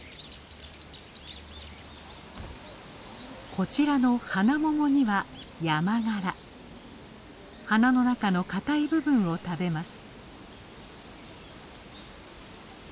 こちらのハナモモには花の中のかたい部分を食べます。